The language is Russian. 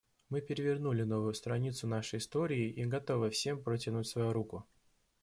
Мы перевернули новую страницу нашей истории и готовы всем протянуть свою руку.